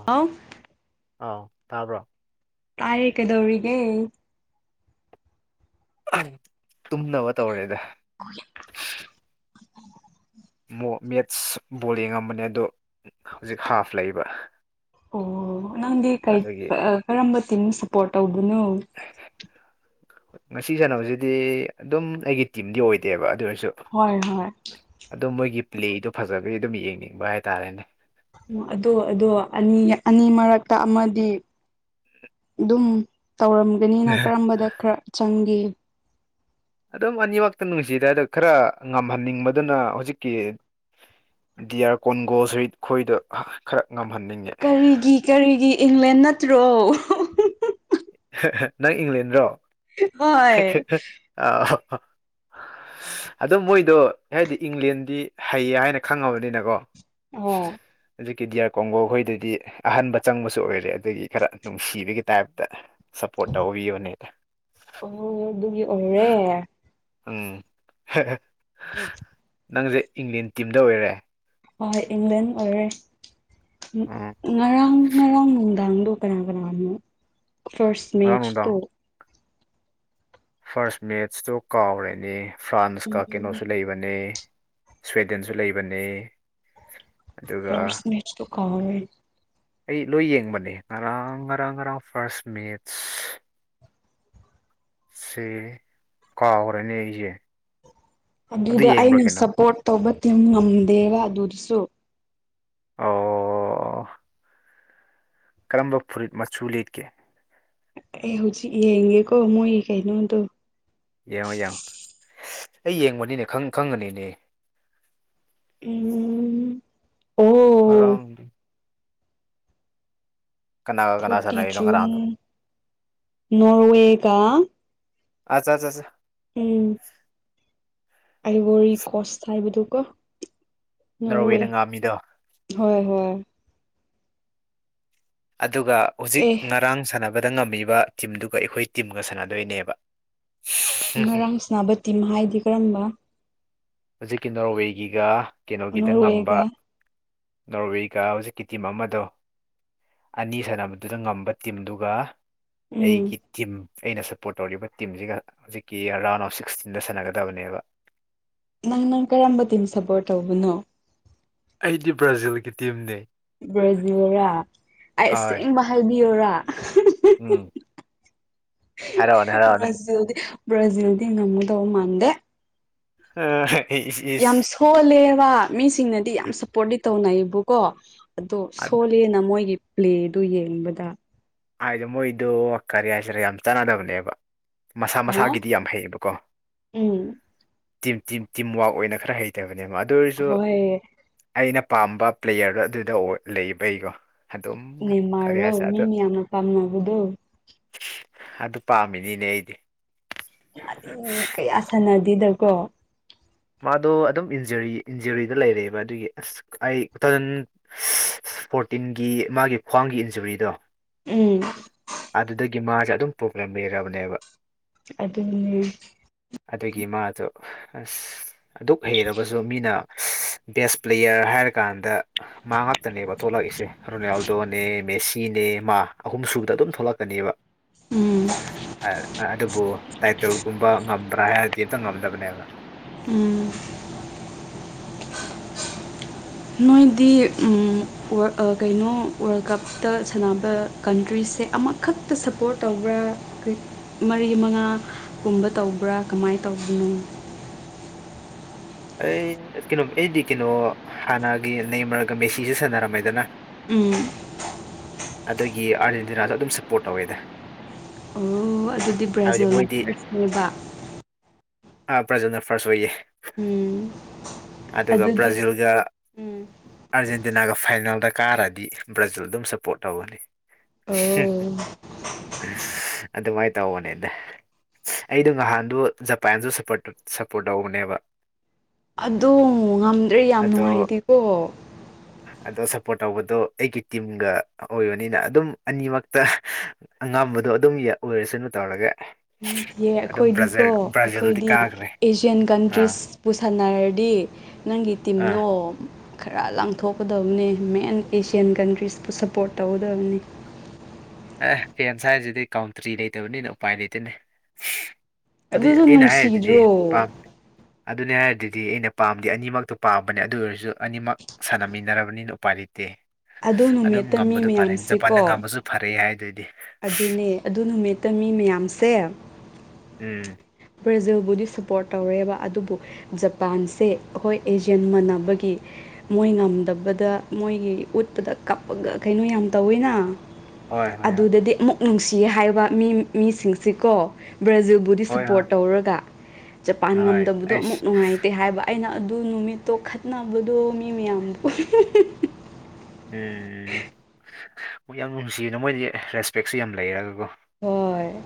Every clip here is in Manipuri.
[unintelligible] ꯑ ꯇꯥꯕ꯭ꯔꯣ ꯇꯥꯏꯌꯦ ꯀꯩꯗꯧꯔꯤꯒꯦ [unintelligible] ꯇꯨꯝꯅꯕ ꯇꯧꯔꯦꯗ ꯃꯣ ꯃꯦꯠ꯭ꯁ ꯕꯣꯜ ꯌꯦꯡꯉꯝꯕꯅꯦ ꯑꯗꯣ ꯍꯧꯖꯤꯛ ꯍꯥꯐ ꯂꯩꯕ ꯑꯣ ꯅꯪꯗꯤ ꯀꯩ ꯑꯗꯨꯒꯤ ꯀꯔꯝꯕ ꯇꯤꯝ ꯁꯄꯣꯔ꯭ꯠ ꯇꯧꯕꯅꯣ ꯉꯁꯤ ꯁꯥꯟꯅꯕꯁꯤꯗꯤ ꯑꯗꯨꯝ ꯑꯩꯒꯤ ꯇꯤꯝꯗꯤ ꯑꯣꯏꯗꯦꯕ ꯑꯗꯨ ꯑꯣꯏꯔꯁꯨ ꯍꯣꯏ ꯍꯣꯏ ꯑꯗꯣ ꯃꯣꯏꯒꯤ ꯄ꯭ꯂꯦꯗꯣ ꯐꯖꯕꯒꯤ ꯑꯗꯨꯝ ꯌꯦꯡꯅꯤꯡꯕ ꯍꯥꯏꯇꯥꯔꯦꯅꯦ ꯑꯣ ꯑꯗꯨ ꯑꯗꯣ ꯑꯅꯤ ꯑꯅꯤ ꯃꯔꯛꯇ ꯑꯃꯗꯤ ꯑꯗꯨꯝ ꯇꯧꯔꯝꯒꯅꯤꯅ ꯀꯔꯝꯕꯗ ꯈꯔ ꯆꯪꯒꯦ ꯑꯗꯨꯝ ꯑꯅꯤꯃꯛꯇ ꯅꯨꯡꯁꯤꯗ ꯑꯗꯣ ꯈꯔ ꯉꯝꯍꯟꯅꯤꯡꯕꯗꯨꯅ ꯍꯧꯖꯤꯛꯀꯤ ꯗꯤꯌꯥꯥꯔ ꯀꯣꯟꯒꯣꯁꯔꯤꯠ ꯈꯣꯏꯗꯣ ꯈꯔ ꯉꯝꯍꯟꯅꯤꯡꯉꯦ ꯀꯔꯤꯒꯤ ꯀꯔꯤꯒꯤ ꯏꯪꯂꯦꯟ ꯅꯠꯇ꯭ꯔꯣ ꯍꯥ ꯍꯥ ꯅꯪ ꯏꯪꯂꯦꯟꯔꯣ ꯍꯣꯏ ꯍꯥ ꯍꯥ ꯑ ꯑꯗꯣ ꯃꯣꯏꯗꯣ ꯍꯥꯏꯗꯤ ꯏꯪꯂꯦꯟꯗꯤ ꯍꯩꯌꯦ ꯍꯥꯏꯅ ꯈꯪꯉꯕꯅꯤꯅꯀꯣ ꯑꯣ ꯍꯧꯖꯤꯛꯀꯤ ꯗꯤꯌꯥꯔ ꯀꯣꯡꯒꯣꯈꯣꯏꯗꯨꯗꯤ ꯑꯍꯟꯕ ꯆꯪꯕꯁꯨ ꯑꯣꯏꯔꯦ ꯑꯗꯨꯒꯤ ꯈꯔ ꯅꯨꯡꯁꯤꯕꯒꯤ ꯇꯥꯏꯞꯇ ꯁꯞꯄꯣꯔ꯭ꯠ ꯇꯧꯕꯤꯕꯅꯦꯗ ꯑꯣ ꯑꯗꯨꯒꯤ ꯑꯣꯏꯔꯦ ꯎꯝ ꯍꯦꯍꯦ ꯅꯪꯁꯦ ꯏꯪꯂꯦꯟ ꯇꯤꯝꯗ ꯑꯣꯏꯔꯦ ꯍꯣꯏ ꯏꯪꯂꯦꯟ ꯑꯣꯏꯔꯦ ꯎꯝ ꯉꯔꯥꯡ ꯉꯔꯥꯡ ꯅꯨꯡꯗꯥꯡꯗꯣ ꯀꯅꯥ ꯀꯅꯥꯅꯣ ꯐꯥꯔ꯭ꯁ ꯉꯔꯥꯡ ꯅꯨꯡꯗꯥꯡ ꯃꯦꯠ꯭ꯁꯇꯣ ꯐꯥꯔꯁ ꯃꯦꯠ꯭ꯁꯇꯣ ꯀꯥꯎꯔꯦꯅꯦ ꯐ꯭ꯔꯥꯟꯁꯀ ꯀꯩꯅꯣꯁꯨ ꯂꯩꯕ ꯂꯩꯕꯅꯦ ꯁ꯭ꯋꯦꯗꯦꯟꯁꯨ ꯂꯩꯕꯅꯦ ꯑꯗꯨꯒ ꯐꯥꯔ꯭ꯁ ꯃꯦꯠ꯭ꯁꯇꯣ ꯀꯥꯥꯎꯔꯦꯅꯦ ꯑꯩ ꯂꯣꯏ ꯌꯦꯡꯕꯅꯦ ꯉꯔꯥꯡ ꯉꯔꯥꯡ ꯉꯔꯥꯡ ꯐꯥꯔꯁ ꯃꯦꯠ꯭ꯁ ꯁꯦ ꯀꯥꯎꯒ꯭ꯔꯦꯅꯦ ꯑꯩꯁꯦ ꯑꯗꯨ ꯑꯗꯨꯗ ꯌꯦꯡꯕ꯭ꯔꯥ ꯑꯩꯅ ꯀꯩꯅꯣ ꯁꯞꯄꯣꯔꯠ ꯇꯧꯕ ꯇꯤꯝ ꯉꯝꯗꯦꯕ ꯑꯗꯨꯗꯁꯨ ꯑꯣ ꯀꯔꯝꯕ ꯐꯨꯔꯤꯠ ꯃꯆꯨ ꯂꯤꯠꯀꯦ ꯑꯩ ꯍꯧꯖꯤꯛ ꯌꯦꯡꯒꯦꯀꯣ ꯃꯣꯏ ꯀꯩꯅꯣꯗꯣ ꯌꯦꯡꯉꯣ ꯌꯦꯡꯉꯣ ꯑꯩ ꯌꯦꯡꯕꯅꯤꯅꯦ ꯈꯪ ꯈꯪꯒꯅꯤꯅꯦ ꯎꯝ ꯑꯣ ꯉꯔꯥꯡꯗꯤ ꯀꯅꯥꯒ ꯀꯅꯥ ꯊ꯭ꯔꯥꯔꯇꯤ ꯁꯥꯟꯅꯔꯤꯅꯣ ꯖꯨꯟ ꯉꯔꯥꯡꯗꯣ ꯅꯣꯔꯋꯦꯒ ꯑ ꯆꯥ ꯆꯥ ꯆꯥ ꯎꯝ ꯑꯥꯏꯕꯣꯔꯤ ꯀꯣꯁ ꯍꯥꯏꯕꯗꯨ ꯀꯣ ꯅꯣꯔꯋꯦ ꯅꯣꯔꯋꯦꯅ ꯉꯥꯝꯃꯤꯗꯣ ꯍꯣꯏ ꯍꯣꯏ ꯑꯗꯨꯒ ꯍꯧꯖꯤꯛ ꯑꯦ ꯉꯔꯥꯡ ꯁꯥꯟꯅꯕꯗ ꯉꯝꯃꯤꯕ ꯇꯤꯝꯗꯨꯒ ꯑꯩꯈꯣꯏ ꯇꯤꯝꯒ ꯁꯥꯟꯅꯗꯣꯏꯅꯦꯕ ꯉꯔꯥꯡ ꯁꯅꯥꯕ ꯇꯤꯝ ꯍꯥꯏꯗꯤ ꯀꯔꯝꯕ ꯍꯧꯖꯤꯛꯀꯤ ꯅꯣꯔꯋꯦꯒꯤꯒ ꯀꯩꯅꯣꯒꯤꯗ ꯉꯝꯕ ꯅꯣꯔꯋꯦꯒ ꯅꯣꯔꯋꯦꯒ ꯍꯧꯖꯤꯛꯀꯤ ꯇꯤꯝ ꯑꯃꯗꯣ ꯑꯅꯤ ꯁꯥꯟꯅꯕꯗꯨꯗ ꯉꯝꯕ ꯇꯤꯝꯗꯨꯒ ꯎꯝ ꯑꯩꯒꯤ ꯇꯤꯝ ꯑꯩꯅ ꯁꯞꯄꯣꯔꯠ ꯇꯧꯔꯤꯕ ꯇꯤꯝꯖꯤꯒ ꯍꯧꯖꯤꯛꯀꯤ ꯔꯥꯎꯟ ꯑꯣꯐ ꯁꯤꯛꯁꯇꯤꯟꯗ ꯁꯥꯟꯅꯒꯗꯕꯅꯦꯕ ꯅꯪ ꯅꯪ ꯀꯔꯝꯕ ꯇꯤꯝ ꯁꯞꯄꯣꯔꯠ ꯇꯧꯕꯅꯣ ꯑꯩꯗꯤ ꯕ꯭ꯔꯥꯖꯤꯜꯒꯤ ꯇꯤꯝꯅꯦ ꯕ꯭ꯔꯥꯖꯤꯜꯔꯥ ꯑꯩ ꯍꯣꯏ ꯑꯁꯦꯡꯕ ꯍꯥꯏꯕꯤꯌꯣꯔꯥ ꯎꯝ ꯍꯥꯏꯔꯛꯑꯣꯅꯦ ꯍꯥꯏꯔꯛꯑꯣꯅꯦ ꯕ꯭ꯔꯖꯤꯜꯗꯤ ꯕ꯭ꯔꯥꯖꯤꯜꯗꯤ ꯉꯝꯒꯗꯧ ꯃꯥꯟꯗꯦ [unintelligible] ꯏꯁ ꯌꯥꯝ ꯁꯣꯜꯂꯦꯕ ꯃꯤꯁꯤꯡꯅꯗꯤ ꯌꯥꯝ ꯁꯞꯄꯣꯔꯠꯇꯤ ꯇꯧꯅꯩꯕꯀꯣ ꯑꯗꯣ ꯁꯣꯜꯂꯦꯅ ꯃꯣꯏꯒꯤ ꯄ꯭ꯂꯦꯗꯨ ꯌꯦꯡꯕꯗ ꯍꯥꯏꯗꯤ ꯃꯣꯏꯗꯣ ꯀꯔꯤ ꯍꯥꯏꯁꯤꯔ ꯌꯥꯝ ꯆꯥꯟꯅꯗꯕꯅꯦꯕ ꯃꯁꯥ ꯃꯁꯥꯒꯤꯗꯤ ꯎꯝ ꯌꯥꯝ ꯍꯩꯕꯀꯣ ꯇꯤꯝ ꯇꯤꯝ ꯇꯤꯝꯋꯥꯛ ꯑꯣꯏꯅ ꯈꯔ ꯍꯩꯇꯕꯅꯦꯕ ꯑꯗꯨꯑꯣꯏꯁꯨ ꯍꯣꯏ ꯑꯩꯅ ꯄꯥꯝꯕ ꯄ꯭ꯂꯦꯌꯔꯗꯣ ꯑꯗꯨꯗ ꯂꯩꯕꯩꯒꯣ ꯅꯦꯃꯥꯔꯔꯣ ꯃꯤꯅ ꯌꯥꯝꯅ ꯄꯥꯝꯅꯕꯗꯨ ꯑꯗꯨ ꯄꯥꯝꯃꯤꯅꯤꯅꯦ ꯑꯩꯗꯤ ꯀꯌꯥ ꯁꯥꯟꯅꯗꯦꯗꯀꯣ ꯃꯥꯗꯣ ꯑꯗꯨꯝ ꯏꯟꯖꯨꯔꯤ ꯏꯟꯖꯨꯔꯤꯗ ꯂꯩꯔꯦꯕ ꯑꯗꯨꯒꯤ ꯑꯁ ꯑꯩ ꯇꯟ ꯐꯣꯔꯇꯤꯟꯒꯤ ꯃꯥꯒꯤ ꯈ꯭ꯋꯥꯡꯒꯤ ꯏꯟꯖꯨꯔꯤꯗꯣ ꯎꯝ ꯑꯗꯨꯗꯒꯤ ꯃꯥꯖꯦ ꯑꯗꯨꯝ ꯄ꯭ꯔꯣꯕ꯭ꯂꯦꯝ ꯂꯩꯔꯕꯅꯦꯕ ꯑꯗꯨꯅꯤ ꯑꯗꯨꯒꯤ ꯃꯥꯗꯨ ꯑꯁ ꯑꯗꯨꯛ ꯍꯩꯔꯕꯁꯨ ꯃꯤꯅ ꯕꯦꯁ ꯄ꯭ꯂꯦꯌꯔ ꯍꯥꯏꯔꯀꯥꯟꯗ ꯃꯍꯥꯛꯇꯅꯦꯕ ꯊꯣꯛꯂꯛꯏꯁꯦ ꯔꯣꯅꯥꯜ ꯗꯣꯅꯦ ꯃꯦꯁꯤꯅꯦ ꯃꯥ ꯑꯍꯨꯝ ꯁꯨꯕꯗ ꯑꯗꯨꯝ ꯊꯣꯛꯂꯛꯀꯅꯤꯕ ꯎꯝ ꯑ ꯑꯗꯨꯕꯨ [unintelligible] ꯇꯤꯜꯒꯨꯝꯕ ꯉꯝꯕ꯭ꯔꯥ ꯍꯥꯏꯔꯗꯤ ꯍꯦꯛꯇ ꯉꯝꯗꯕꯅꯦꯕ ꯎꯝ ꯅꯣꯏꯗꯤ ꯎꯝ ꯑ ꯀꯩꯅꯣ ꯋꯥꯔꯜ ꯀꯞꯇ ꯁꯥꯟꯅꯕ ꯀꯟꯇ꯭ꯔꯤꯁꯦ ꯑꯃꯈꯛꯇ ꯁꯄꯣꯔꯠ ꯇꯧꯕ꯭ꯔꯥ ꯀꯔꯤ ꯃꯔꯤ ꯃꯉꯥ ꯀꯨꯝꯕ ꯇꯧꯕ꯭ꯔꯥ ꯀꯃꯥꯏ ꯇꯧꯕꯅꯣ ꯑꯩ ꯀꯩꯅꯣ ꯑꯩꯗꯤ ꯀꯩꯅꯣ ꯍꯥꯟꯅꯒꯤ ꯅꯦꯝꯃꯔꯒ ꯃꯦꯁꯤꯁꯨ ꯁꯥꯟꯅꯔꯝꯃꯦꯗꯅ ꯎꯝ ꯑꯗꯨꯒꯤ ꯑꯥꯔꯖꯦꯟꯇꯤꯅꯥꯗ ꯑꯗꯨꯝ ꯁꯞꯄꯣꯔꯠ ꯇꯧꯋꯦꯗ ꯑꯣ ꯑꯗꯨꯗꯤ ꯍꯥꯏꯕꯗꯤ ꯕ꯭ꯔꯥꯖꯤꯜꯅ ꯃꯣꯏꯗꯤ ꯐꯥꯔꯁꯅꯦꯕ ꯑꯥ ꯕ꯭ꯔꯥꯖꯤꯜꯅ ꯐꯥꯔꯁ ꯑꯣꯏꯌꯦ ꯎꯝ ꯑꯗꯨꯒ ꯑꯗꯨꯗꯤ ꯕ꯭ꯔꯥꯖꯤꯜꯒ ꯎꯝ ꯑꯥꯔꯖꯦꯟꯇꯤꯅꯥꯒ ꯐꯥꯏꯅꯦꯜꯗ ꯀꯥꯔꯗꯤꯒ ꯕ꯭ꯔꯥꯖꯤꯜ ꯑꯗꯨꯝ ꯁꯞꯄꯣꯔꯠ ꯇꯧꯒꯅꯤ ꯑꯣ ꯑꯗꯨꯃꯥꯏ ꯇꯧꯕꯅꯦꯗ ꯑꯩꯗꯣ ꯉꯍꯥꯟꯗꯨ ꯖꯄꯥꯟꯁꯨ ꯁꯞꯄꯠ ꯁꯞꯄꯣꯔꯠ ꯇꯧꯕꯅꯦꯕ ꯑꯗꯣ ꯉꯝꯗ꯭ꯔꯦ ꯌꯥꯝ ꯑꯗꯣ ꯅꯨꯡꯉꯥꯏꯇꯦꯀꯣ ꯑꯗꯣ ꯁꯞꯄꯣꯔꯠ ꯇꯧꯕꯗꯣ ꯑꯩꯒꯤ ꯇꯤꯝꯒ ꯑꯣꯏꯕꯅꯤꯅ ꯑꯗꯨꯝ ꯑꯅꯤꯃꯛꯇ ꯑꯉꯝꯕꯗꯣ ꯑꯗꯨꯝ ꯑꯣꯏꯔꯁꯅꯨ ꯇꯧꯔꯒꯦ ꯌꯦ ꯑꯩꯈꯣꯏꯗꯤꯀꯣ ꯑꯩꯈꯣꯏꯗꯤ ꯀꯥꯈ꯭ꯔꯦ ꯑꯦꯁꯤꯌꯥꯟ ꯑꯥ ꯀꯟꯇ꯭ꯔꯤꯁ ꯄꯨꯁꯟꯅꯔꯗꯤ ꯅꯪꯒꯤ ꯑꯥ ꯇꯤꯝꯗꯣ ꯈꯔ ꯂꯥꯡꯊꯣꯛꯀꯗꯕꯅꯤ ꯃꯦꯟ ꯑꯦꯁꯤꯌꯥꯟ ꯀꯟꯇ꯭ꯔꯤꯁꯄꯨ ꯁꯄꯣꯔꯠ ꯇꯧꯒꯗꯕꯅꯤ ꯑꯦ ꯒꯦꯝꯁ ꯍꯥꯏꯁꯤꯗꯤ ꯀꯥꯎꯟꯇ꯭ꯔꯤ ꯂꯩꯇꯕꯅꯤꯅ ꯎꯄꯥꯏ ꯂꯩꯇꯦꯅꯦ ꯑꯗꯨꯏ ꯑꯗꯨꯗꯣ ꯑꯩꯅ ꯍꯥꯏꯗꯨꯗꯤ ꯅꯨꯡꯁꯤꯗ꯭ꯔꯣ ꯄꯥꯝ ꯑꯗꯨꯅꯤ ꯍꯥꯏꯗꯨꯗꯤ ꯑꯩꯅ ꯄꯥꯝꯗꯤ ꯑꯅꯤꯃꯛꯇꯣ ꯄꯥꯝꯕꯅꯦ ꯑꯗꯨ ꯑꯣꯏꯔꯁꯨ ꯑꯅꯤꯃꯛ ꯁꯥꯟꯅꯃꯤꯟꯅꯔꯕꯅꯤꯅ ꯎꯄꯥꯏ ꯂꯩꯇꯦ ꯑꯗꯨ ꯑꯗꯨꯝ ꯅꯨꯃꯤꯠꯇ ꯃꯤ ꯉꯝꯕꯗꯨ ꯐꯔꯦ ꯖꯄꯥꯟꯅ ꯃꯌꯥꯝꯁꯦꯀꯣ ꯉꯝꯃꯁꯨ [unintelligible] ꯍꯥꯏꯗꯨꯗꯤ ꯑꯗꯨꯅꯦ ꯑꯗꯨ ꯅꯨꯃꯤꯠꯇ ꯃꯤ ꯃꯌꯥꯝꯁꯦ ꯎꯝ ꯕ꯭ꯔꯖꯤꯜꯕꯨꯗꯤ ꯁꯄꯣꯔꯠ ꯇꯧꯔꯦꯕ ꯑꯗꯨꯕꯨ ꯖꯄꯥꯟꯁꯦ ꯑꯩꯈꯣꯏ ꯑꯦꯖꯤꯌꯥꯟ ꯃꯥꯟꯅꯕꯒꯤ ꯃꯣꯏ ꯉꯝꯗꯕꯗ ꯃꯣꯏꯒꯤ ꯎꯠꯄꯗ ꯀꯞꯄꯒ ꯀꯩꯅꯣ ꯌꯥꯝ ꯇꯧꯋꯤꯅ ꯍꯣꯏ ꯍꯣꯏ ꯍꯣꯏ ꯑꯗꯨꯗꯤ ꯑꯃꯨꯛ ꯅꯨꯡꯁꯤ ꯍꯥꯏꯕ ꯃꯤ ꯃꯤꯁꯤꯡꯁꯤꯀꯣ ꯕ꯭ꯔꯖꯤꯜꯕꯨꯗꯤ ꯍꯣꯏ ꯁꯞꯄꯣꯔꯠ ꯍꯣꯏ ꯇꯧꯔꯒ ꯖꯄꯥꯟ ꯍꯣꯏ ꯉꯝꯗꯕꯗꯣ ꯑꯩꯁ ꯑꯃꯨꯛ ꯅꯨꯡꯉꯥꯏꯇꯦ ꯍꯥꯏꯕ ꯑꯩꯅ ꯑꯗꯨ ꯅꯨꯃꯤꯠꯇꯣ ꯈꯠꯅꯕꯗꯣ ꯃꯤ ꯃꯌꯥꯝꯗ ꯎ ꯎꯝ ꯎꯝ ꯍꯣꯏ ꯌꯥꯝ ꯅꯨꯡꯁꯤꯌꯦꯅ ꯃꯣꯏꯗꯤ ꯔꯦꯁꯄꯦꯛꯁꯨ ꯌꯥꯝ ꯂꯩꯔꯒꯀꯣ ꯍꯣꯏ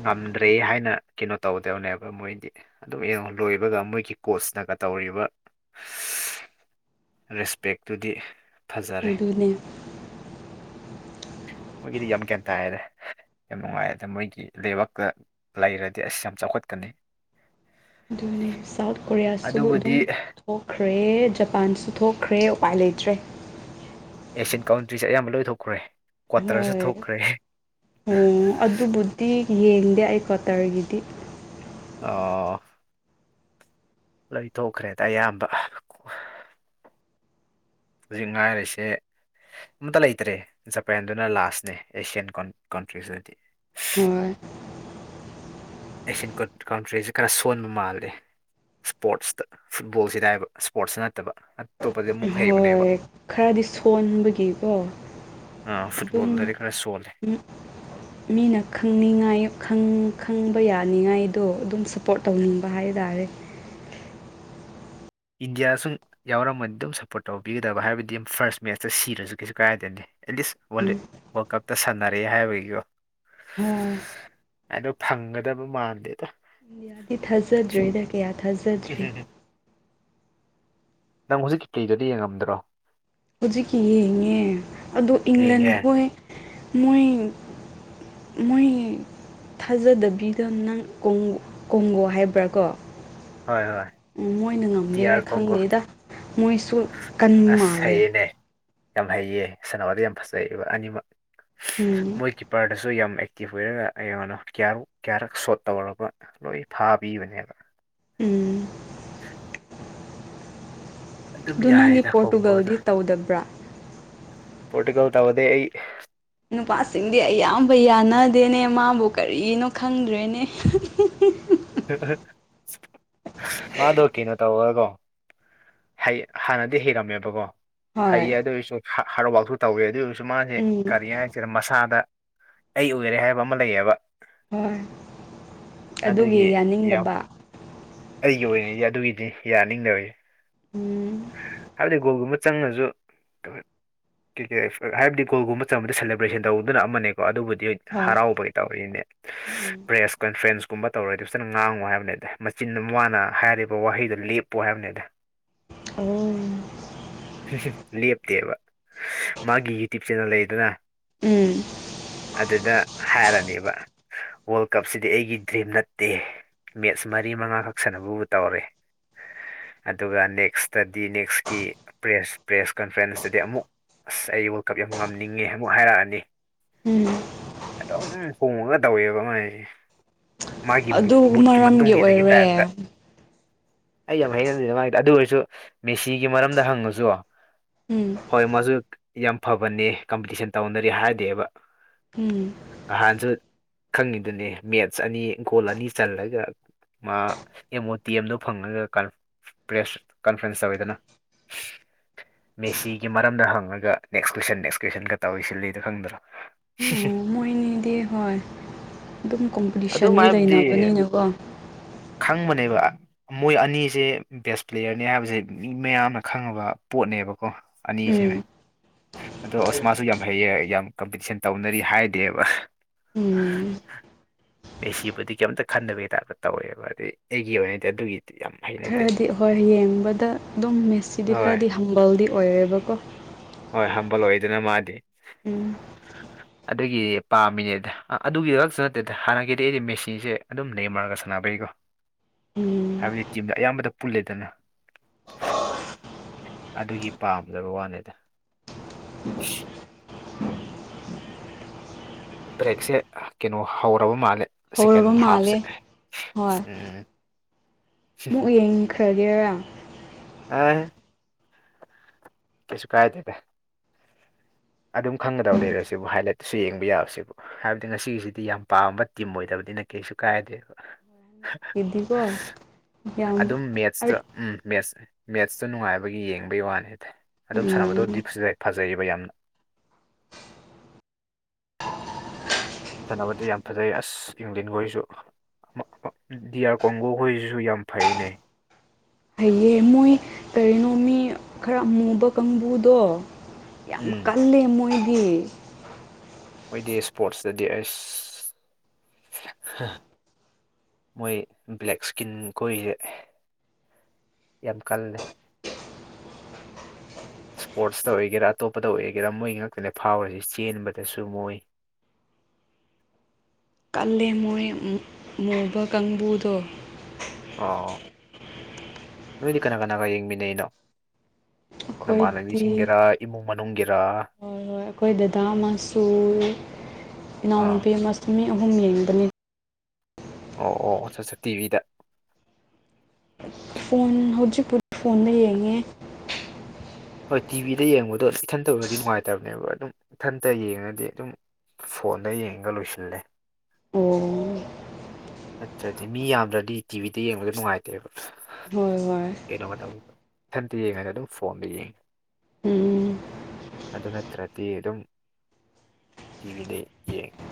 ꯉꯝꯗ꯭ꯔꯦ ꯍꯥꯏꯅ ꯀꯩꯅꯣ ꯇꯧꯗꯕꯅꯦꯕ ꯃꯣꯏꯗꯤ ꯑꯗꯨꯒ ꯌꯦꯡꯉꫭ ꯂꯣꯏꯕꯒ ꯃꯣꯏꯒꯤ ꯀꯣꯁꯇꯒ ꯇꯧꯔꯤꯕ [inaudible] ꯔꯦꯁꯄꯦꯛꯇꯨꯗꯤ ꯐꯖꯔꯦ ꯑꯗꯨꯅꯦ ꯃꯣꯏꯒꯤꯗꯤ ꯌꯥꯝ ꯒꯌꯥꯟ ꯇꯥꯏꯅꯦ ꯌꯥꯝ ꯅꯨꯡꯉꯥꯏꯔꯦꯗ ꯃꯣꯏꯗꯤ ꯀꯩꯕ ꯂꯩꯔꯗꯤ ꯑꯁ ꯌꯥꯝ ꯆꯥꯎꯈꯠꯀꯅꯤ ꯑꯗꯨꯅꯦ ꯁꯥꯎꯠ ꯀꯣꯔꯤꯌꯥꯁꯨ ꯑꯗꯨꯕꯨꯗꯤ ꯑꯗꯨꯝ ꯊꯣꯛꯈ꯭ꯔꯦ ꯖꯄꯥꯟꯁꯨ ꯊꯣꯛꯈ꯭ꯔꯦ ꯎꯄꯥꯏ ꯂꯩꯇ꯭ꯔꯦ ꯑꯦꯁꯤ ꯀꯥꯎꯟꯇ꯭ꯔꯤꯁꯦ ꯑꯌꯥꯝꯕ ꯂꯣꯏ ꯊꯣꯛꯈ꯭ꯔꯦ ꯀ꯭ꯋꯥꯇꯔꯁꯨ ꯍꯣꯏ ꯊꯣꯛꯈ꯭ꯔꯦ ꯑꯣ ꯑꯗꯨꯕꯨꯗꯤ ꯌꯦꯡꯗꯦ ꯑꯩ ꯀꯋꯥꯇꯔꯒꯤꯗꯤ ꯑꯣ ꯂꯣꯏ ꯊꯣꯛꯈ꯭ꯔꯦꯗ ꯑꯌꯥꯝꯕ ꯍꯧꯖꯤꯛ ꯉꯥꯏꯔꯤꯁꯦ ꯑꯝꯇ ꯂꯩꯇ꯭ꯔꯦ ꯖꯄꯦꯟꯗꯨꯅ ꯂꯥꯁꯅꯦ ꯑꯦꯁꯤꯌꯥꯟ ꯀꯟꯇ꯭ꯔꯤꯁꯤꯗꯗꯤ ꯍꯣꯏ ꯑꯦꯁꯤꯌꯥꯟ ꯀꯟ ꯀꯥꯎꯟꯇ꯭ꯔꯤꯁꯦ ꯈꯔ ꯁꯣꯟꯕ ꯃꯥꯜꯂꯦ ꯏꯁꯄꯣꯔꯠꯁꯇ ꯐꯨꯠꯕꯣꯜꯁꯤꯗ ꯍꯥꯏꯕ ꯏꯁꯄꯣꯔꯠꯁ ꯅꯠꯇꯕ ꯑꯇꯣꯞꯄꯗꯤ ꯑꯃꯨꯛ ꯍꯩꯕꯅꯦꯕ ꯍꯣꯏ ꯈꯔꯗꯤ ꯁꯣꯟꯕꯒꯤꯀꯣ ꯑ ꯑꯗꯨꯝ ꯐꯨꯠꯕꯣꯜꯗꯗꯤ ꯈꯔ ꯁꯣꯜꯂꯦ ꯃꯤꯅ ꯈꯪꯅꯤꯡꯉꯥꯏ ꯈꯪ ꯈꯪꯕ ꯌꯥꯅꯤꯡꯉꯥꯏꯗꯣ ꯑꯗꯨꯝ ꯁ ꯄꯣꯔꯠ ꯎꯝ ꯇꯧꯅꯤꯡꯕ ꯍꯥꯏꯇꯥꯔꯦ ꯏꯟꯗꯤꯌꯥ ꯁꯨꯝ ꯌꯥꯎꯔꯝꯃꯗꯤ ꯑꯗꯨꯝ ꯁꯞꯄꯣꯔꯠ ꯇꯧꯕꯤꯒꯗꯕ ꯍꯥꯏꯕꯗꯤ ꯑꯗꯨ ꯐꯥꯔꯁ ꯃꯦꯠꯆꯇ ꯁꯤꯔꯁꯨ ꯀꯩꯁꯨ ꯀꯥꯏꯗꯦꯅꯦ ꯑꯦꯠꯂꯤꯁ ꯋꯥꯜꯂꯦ ꯋꯥꯔꯜ ꯀꯞꯇ ꯁꯥꯟꯅꯔꯑꯦ ꯍꯥꯏꯕꯒꯤꯀꯣ ꯎꯝ ꯑꯗꯣ ꯐꯪꯒꯗꯕ ꯃꯥꯟꯗꯦꯗ ꯑꯩ ꯊꯥꯖꯗ꯭ꯔꯦꯗ ꯀꯌꯥ ꯊꯥꯖꯗ꯭ꯔꯦ ꯎꯝ ꯅꯪ ꯍꯧꯖꯤꯛꯀꯤ ꯀꯩꯀꯩꯗꯨꯗꯤ ꯌꯦꯡꯉꯝꯗ꯭ꯔꯣ ꯍꯧꯖꯤꯛ ꯌꯦꯡꯉꯦ ꯑꯗꯣ ꯏꯪꯂꯦꯟ ꯌꯦꯡꯉꯦ ꯈꯣꯏ ꯃꯣꯏ ꯃꯣꯏ ꯊꯥꯖꯗꯕꯤꯗ ꯅꯪ ꯀꯣꯡ ꯀꫭꯡꯒꯣ ꯍꯥꯏꯕ꯭ꯔꯥ ꯀꯣ ꯍꯣꯏ ꯍꯣꯏ ꯎꯝ ꯃꯣꯏꯅ ꯗꯤ ꯉꯝꯒꯦꯔꯥ ꯑꯥꯔ ꯀꯣꯡꯒꯣ ꯈꯪꯗꯦꯗ ꯃꯣꯏꯁꯨ ꯀꯟꯕ ꯑꯁ ꯃꯥꯜꯂꯦ ꯍꯩꯌꯦꯅꯦ ꯌꯥꯝ ꯍꯩꯌꯦ ꯁꯥꯟꯅꯕꯗ ꯌꯥꯝ ꯐꯖꯩꯕ ꯑꯅꯤꯃꯛ ꯎꯝ ꯃꯣꯏ ꯀꯤꯞꯄꯔꯗꯁꯨ ꯌꯥꯝ ꯑꯦ ꯇꯤꯞ ꯑꯣꯏꯔꯒ ꯌꯦꯡꯉꯣꯅꯣ ꯀꯌꯥꯃꯨꯛ ꯀꯌꯥꯔꯛ ꯁꯣꯠ ꯇꯧꯔꯒ ꯂꯣꯏ ꯐꯥꯕꯤꯕꯅꯦꯕ ꯎꯝ ꯑꯗꯨꯝ ꯑꯗꯨ ꯅꯪꯗꯤ ꯌꯥꯏꯌꯦꯗ ꯀꯣꯡꯒꯣꯗꯣ ꯄꯣꯔꯇꯨꯒꯜꯗꯤ ꯇꯧꯗꯕ꯭ꯔꯥ ꯄꯣꯔꯇꯨꯒꯜ ꯇꯧꯗꯦ ꯑꯩ ꯅꯨꯄꯥꯁꯤꯡꯗꯤ ꯑꯌꯥꯝꯕ ꯌꯥꯅꯗꯦꯅꯦ ꯃꯥꯕꯨ ꯀꯔꯤꯒꯤꯅꯣ ꯈꯪꯗ꯭ꯔꯦꯅꯦ [unintelligible] ꯃꯥꯗꯣ ꯀꯩꯅꯣ ꯇꯧꯕꯒꯣ ꯍꯩ ꯍꯥꯟꯅꯗꯤ ꯍꯤꯡꯉꯝꯃꯦꯕꯀꯣ ꯍꯣꯏ ꯍꯩꯌꯦ ꯑꯗꯨ ꯑꯣꯏꯔꯁꯨ ꯍ ꯍꯥꯔꯗ ꯁꯨ ꯇꯧꯋꯦ ꯑꯗꯨ ꯑꯣꯏꯔꯁꯨ ꯃꯥꯁꯦ ꯎꯝ ꯀꯔꯤ ꯍꯥꯏ ꯁꯤꯅ ꯃꯁꯥꯗ ꯑꯩ ꯑꯣꯏꯔꯦ ꯍꯥꯏꯕ ꯑꯃ ꯂꯩꯌꯦꯕ ꯍꯣꯏ ꯍꯧꯖꯤꯛꯇꯤ ꯑꯗꯨꯒꯤ ꯌꯥꯅꯤꯡꯗꯕ ꯑꯩꯒꯤ ꯑꯣꯏꯅꯗꯤ ꯑꯗꯨꯒꯤꯗꯤ ꯌꯥꯅꯤꯡꯗꯕ ꯎꯝ ꯍꯥꯏꯕꯗꯤ ꯒꯣꯜꯒꯨꯝꯕ ꯆꯪꯉꯁꯨ ꯀꯤꯀꯣ ꯑꯦꯛꯄꯠ ꯍꯥꯏꯕꯗꯤ ꯒꯣꯜꯒꯨꯝꯕ ꯆꯝꯕꯗ ꯁꯦꯂꯦꯕ꯭ꯔꯦꯁꯟ ꯇꯧꯗꯨꯅ ꯑꯃꯅꯦꯀꯣ ꯑꯗꯨꯕꯨꯗꯤ ꯍꯣꯏ ꯍꯔꯥꯎꯕꯩ ꯇꯧꯔꯤꯅꯦ ꯎꯝ ꯄ꯭ꯔꯦꯁ ꯀꯟꯐ꯭ꯔꯦꯟꯁ ꯀꯨꯝꯕ ꯇꯧꯔꯗꯤ ꯐꯖꯅ ꯉꯥꯡꯉꯨ ꯍꯥꯏꯕꯅꯤꯗꯤ ꯃꯆꯤꯟ ꯃꯥꯅ ꯍꯥꯏꯔꯤꯕ ꯋꯥꯍꯩꯗꯣ ꯂꯦꯞꯄꯨ ꯍꯥꯏꯕꯅꯤꯗ ꯑꯧ ꯂꯦꯞꯇꯦꯕ ꯃꯥꯒꯤ ꯌꯨꯇꯨꯞ‌ ꯆꯦꯅꯦꯜ ꯂꯩꯗꯅ ꯎꯝ ꯑꯗꯨꯗ ꯍꯥꯏꯔꯅꯦꯕ ꯋꯥꯜ ꯀꯞꯁꯤꯗꯤ ꯑꯩꯒꯤ ꯗ꯭ꯔꯤꯝ ꯅꯠꯇꯦ ꯃꯦꯠꯁ ꯃꯔꯤ ꯃꯉꯥꯈꯛ ꯁꯅꯕꯕꯨ ꯇꯧꯔꯦ ꯑꯗꯨꯒ ꯅꯦꯛꯁꯇꯗꯤ ꯅꯦꯛꯁꯀꯤ ꯄ꯭ꯔꯦꯁ ꯄ꯭ꯔꯦꯁ ꯀꯟꯐ꯭ꯔꯦꯟꯁꯇꯗꯤ ꯑꯃꯨꯛ ꯑꯁ ꯑꯩ ꯋꯥꯜꯀꯞ ꯌꯥꯝ ꯉꯝꯅꯤꯡꯉꯦ ꯑꯃꯨꯛ ꯍꯥꯏꯔꯛꯑꯅꯤ ꯎꯝ ꯑꯗꯨꯝ ꯍꯣꯡꯉꯒ ꯇꯧꯋꯦꯕ ꯃꯥꯥꯏ ꯑꯗꯨ ꯃꯔꯝꯒꯤ ꯏꯟꯅꯒꯤ ꯑꯣꯏꯔꯦ ꯇꯥꯏꯞꯇ ꯑꯩ ꯌꯥꯝ ꯍꯩꯅꯗꯦꯗ ꯃꯥꯏꯗ ꯑꯗꯨ ꯑꯣꯏꯔꯁꯨ ꯃꯦꯁꯤꯒꯤ ꯃꯔꯝꯗ ꯍꯪꯉꯨꯁꯨ ꯎꯝ ꯍꯣꯏ ꯃꯥꯁꯨ ꯌꯥꯝ ꯐꯕꯅꯤ ꯀꯝꯄꯤꯇꯤꯁꯟ ꯇꯧꯅꯔꯤ ꯍꯥꯏꯗꯦꯕ ꯎꯝ ꯉꯍꯥꯟꯁꯨ ꯈꯪꯉꯤꯗꯨꯅꯦ ꯃꯦꯠꯁ ꯑꯅꯤ ꯒꯣꯜ ꯑꯅꯤ ꯆꯜꯂꯒ ꯃꯥ ꯑꯦꯝ ꯑꯣ ꯇꯤ ꯑꯦꯝꯗꯣ ꯐꯪꯉꯒ ꯀ ꯄ꯭ꯔꯦꯁ ꯀꯟꯐ꯭ꯔꯦꯟꯁ ꯇꯧꯋꯤꯗꯅ ꯃꯦꯁꯤꯒꯤ ꯃꯔꯝꯗ ꯍꯪꯉꯒ ꯅꯦꯛꯁ ꯀ꯭ꯋꯦꯁꯟ ꯅꯦꯛꯁ ꯀ꯭ꯋꯦꯁꯟꯒ ꯇꯧꯔꯤ ꯁꯤꯜꯂꯤꯗꯣ ꯈꯪꯗ꯭ꯔꯣ ꯑꯣ [unintelligible] ꯃꯣꯏꯅꯤꯗꯤ ꯍꯣꯏ ꯑꯗꯨꯝ ꯑꯗꯨꯝ ꯀꯣꯝꯄꯤꯇꯤꯁꯟꯗꯤ ꯍꯥꯏꯕꯗꯤ ꯂꯩꯅꯕꯅꯤꯅꯀꯣ ꯈꯪꯕꯅꯦꯕ ꯃꯣꯏ ꯑꯅꯤꯁꯦ ꯕꯦꯁ ꯄ꯭ꯂꯦꯌꯔꯅꯤ ꯍꯥꯏꯕꯁꯦ ꯃꯤ ꯃꯌꯥꯝꯅ ꯈꯪꯉꯕ ꯄꯣꯠꯅꯦꯕꯀꯣ ꯎꯝ ꯑꯅꯤꯁꯦꯋ ꯑꯗꯣ ꯑꯣꯁꯃꯥꯁꯨ ꯌꯥꯝ ꯍꯩꯌꯦ ꯌꯥꯝ ꯀꯝꯄꯤꯇꯤꯁꯟ ꯇꯧꯅꯔꯤ ꯍꯥꯏꯗꯦꯕ ꯎꯝ ꯃꯦꯁꯤꯕꯨꯗꯤ ꯀꯩꯝꯇ ꯈꯟꯗꯕꯒꯤ ꯇꯥꯏꯞꯇ ꯇꯧꯋꯦꯕ ꯑꯗꯩ ꯑꯩꯒꯤ ꯑꯣꯏꯅꯗꯤ ꯑꯗꯨꯒꯤ ꯈꯔꯗꯤ ꯍꯣꯏ ꯌꯦꯡꯕꯗ ꯑꯗꯨꯝ ꯃꯦꯠꯁꯤꯗꯤ ꯍꯣꯏ ꯈꯔꯗꯤ ꯍꯝꯕꯜꯗꯤ ꯑꯣꯏꯔꯦꯕꯀꯣ ꯍꯣꯏ ꯍꯝꯕꯜ ꯂꯣꯏꯗꯅ ꯃꯥꯗꯤ ꯎꯝ ꯑꯗꯨꯒꯤ ꯄꯥꯝꯃꯤꯅꯦꯗ ꯑꯗꯨꯒꯤꯗ ꯈꯁꯨ ꯅꯠꯇꯦꯗ ꯍꯥꯟꯅꯗꯒꯤ ꯑꯩꯗꯤ ꯃꯦꯁꯤꯁꯦ ꯑꯗꯨꯝ ꯅꯦꯃꯔꯒ ꯁꯥꯟꯅꯕꯩꯀꯣ [inaudible] ꯍꯥꯏꯕꯗꯤ ꯇꯤꯝꯗ ꯑꯌꯥꯝꯕꯗ ꯄꯨꯜꯂꯦꯗꯅ ꯑꯗꯨꯒꯤ ꯄꯥꯝꯖꯕ ꯋꯥꯅꯦꯗ [unintelligible] ꯕ꯭ꯔꯦꯛꯁꯦ ꯀꯩꯅꯣ ꯍꯧꯔꯕ ꯃꯥꯜꯂꯦ ꯍꯧꯔꯕ ꯃꯥꯜꯂꯦ ꯍꯣꯏ [unintelligible] ꯈꯒꯦꯔ ꯑ ꯀꯩꯁꯨ ꯀꯥꯏꯗꯦꯗꯥ ꯑꯗꯨꯝ ꯈꯪꯒꯗꯕ ꯂꯩꯔꯁꯤꯕꯨ ꯍꯥꯏꯂꯥꯏꯠꯇꯁꯨ ꯌꯦꯡꯕ ꯌꯥꯕꯁꯤꯕꯨ ꯍꯥꯏꯕꯗꯤ ꯉꯁꯤꯒꯤꯁꯤꯗꯤ ꯌꯥꯝ ꯄꯥꯝꯕ ꯇꯤꯝ ꯑꯣꯏꯗꯕꯅꯤꯅ ꯀꯩꯁꯨ ꯀꯥꯏꯗꯦꯕ ꯒꯤꯗꯤꯀꯣ ꯌꯥꯝ ꯑꯗꯨꯝ ꯃꯦꯠꯁꯇ ꯑꯔꯠ ꯎꯝ ꯃꯦꯠꯁ ꯃꯦꯠꯁꯇꯨ ꯅꯨꯡꯉꯥꯏꯕꯒꯤ ꯌꯦꯡꯕꯒꯤ ꯋꯥꯅꯤꯗ ꯑꯗꯨꯝ ꯁꯥꯟꯅꯕꯗꯣꯗꯤ ꯎꯝ ꯆꯖ ꯐꯖꯩꯔꯤꯕ ꯌꯥꯝꯅ ꯆꯥꯟꯅꯕꯗꯤ ꯌꯥꯝ ꯐꯖꯩ ꯑꯁ ꯌꯡꯊꯟꯈꯣꯏꯁꯨ ꯗꯤ ꯑꯥꯔ ꯀꯣꯡꯒꯣꯈꯣꯏꯁꯤꯁꯨ ꯌꯥꯝ ꯐꯩꯅꯦ ꯍꯩꯌꯦ ꯃꯣꯏ ꯀꯔꯤꯅꯣ ꯃꯤ ꯈꯔ ꯑꯃꯨꯕ ꯀꯥꯡꯕꯨꯗꯣ ꯌꯥꯝ ꯎꯝ ꯀꯪꯂꯦ ꯃꯣꯏꯗꯤ ꯃꯣꯏꯗꯤ ꯏꯁꯄꯣꯔꯠꯁꯇꯗꯤ ꯑꯁ ꯃꯣꯏ ꯕ꯭ꯂꯦꯛ ꯏꯁꯀꯤꯟ ꯀꯣꯏꯁꯦ ꯌꯥꯝ ꯀꯜꯂꯦ ꯏꯁꯄꯣꯔꯠꯁꯇ ꯑꯣꯏꯒꯦꯔꯥ ꯑꯇꯣꯞꯄꯗ ꯑꯣꯏꯒꯦꯔꯥ ꯃꯣꯏ ꯉꯥꯛꯇꯅꯦ ꯐꯥꯎꯔꯤꯁꯤ ꯆꯦꯟꯕꯗꯁꯨ ꯃꯣꯏ ꯀꯜꯂꯦ ꯃꯣꯏ ꯃꯨꯕ ꯀꯥꯡꯕꯨꯗꯣ ꯑꯣ ꯅꯣꯏꯗꯤ ꯀꯅꯥ ꯀꯅꯥꯒ ꯌꯦꯡꯃꯤꯟꯅꯩꯅꯣ [unintelligible] ꯑꯩꯈꯣꯏꯗꯤ ꯅꯃꯥꯟꯅꯕꯤꯁꯤꯡꯒꯤꯔ ꯏꯃꯨꯡ ꯃꯅꯨꯡꯒꯤꯔ ꯍꯣꯏ ꯍꯣꯏ ꯑꯩꯈꯣꯏ ꯗꯗꯥ ꯑꯃꯁꯨ ꯑꯥ ꯏꯅꯥꯎꯅꯨꯄꯤ ꯑꯃꯁꯨ ꯃꯤ ꯑꯍꯨꯝ ꯌꯦꯡꯕꯅꯤ ꯑꯣ ꯑꯣ ꯑꯆꯥ ꯑꯆꯥ ꯇꯤꯚꯤꯗ ꯐꯣꯟ ꯍꯧꯖꯤꯛ ꯄꯨ ꯐꯣꯟꯗ ꯌꯦꯡꯉꯦ꯫ ꯍꯣꯏ ꯇꯤꯚꯤꯗ ꯌꯦꯡꯕꯗꯣ ꯏꯊꯟꯇ ꯑꯣꯏꯔꯗꯤ ꯅꯨꯡꯉꯥꯏꯇꯕꯅꯦꯕ ꯑꯗꯨꯝ ꯏꯊꯟꯇ ꯌꯦꯡꯉꯗꯤ ꯑꯗꯨꯝ ꯐꯣꯟꯗ ꯌꯦꯡꯉꯒ ꯂꯣꯏꯁꯤꯜꯂꯦ ꯑꯣ ꯅꯠꯇ꯭ꯔꯗꯤ ꯃꯤ ꯌꯥꯝꯗ꯭ꯔꯗꯤ ꯇꯤꯚꯤꯗ ꯌꯦꯡꯕꯗꯣ ꯅꯨꯡꯉꯥꯏꯇ꯭ꯔꯦꯕ ꯍꯣꯏ ꯍꯣꯏ ꯀꯩꯅꯣꯃ ꯇꯧ ꯏꯊꯥꯟꯇ ꯌꯦꯡꯉꯗꯃꯒ ꯑꯗꯨꯝ ꯐꯣꯟꯗ ꯌꯦꯡꯉꯦ ꯎꯝ ꯑꯗꯨ ꯅꯠꯇ꯭ꯔꯗꯤ ꯑꯗꯨꯝ ꯇꯤꯚꯤꯗ ꯌꯦꯡꯉꯤ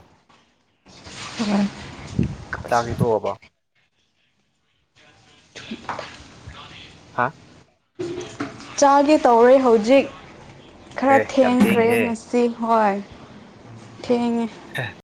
ꯑꯣ ꯆꯥꯛꯇꯤ ꯇꯣꯛꯑꯕꯣ [unintelligible] ꯍꯥ ꯆꯥꯒꯦ ꯇꯧꯔꯦ ꯍꯧꯖꯤꯛ ꯈꯔ ꯑꯦ ꯌꯥꯝ ꯊꯦꯡꯈ꯭ꯔꯦ ꯊꯦꯡꯉꯤꯍꯦ ꯉꯁꯤ ꯁꯤ ꯍꯣꯏ ꯊꯦꯡꯉꯦ [unintelligible]